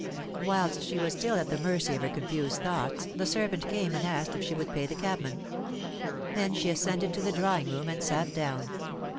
Whilst she was still at the mercy of her confused thoughts, the servant came and asked if she would pay the cabman. Then she ascended to the drawing room and sat down.